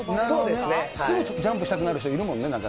すぐジャンプしたくなる人、いるもんね、なんか。